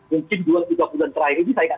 mungkin dua tiga bulan terakhir ini